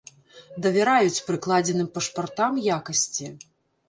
Давяраюць прыкладзеным пашпартам якасці.